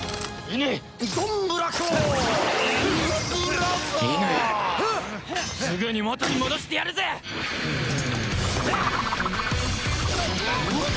乾すぐに元に戻してやるぜ！ハアッ！